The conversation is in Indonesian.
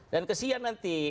dan kesian nanti